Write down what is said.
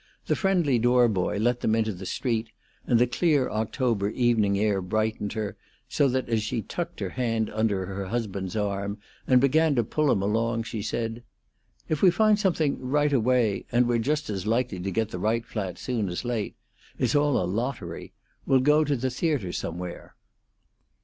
The friendly door boy let them into the street, and the clear October evening air brightened her so that as she tucked her hand under her husband's arm and began to pull him along she said, "If we find something right away and we're just as likely to get the right flat soon as late; it's all a lottery we'll go to the theatre somewhere."